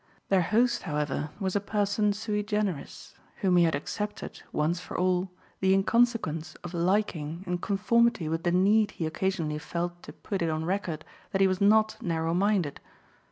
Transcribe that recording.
Their host, however, was a person sui generis, whom he had accepted, once for all, the inconsequence of liking in conformity with the need he occasionally felt to put it on record that he was not narrow minded.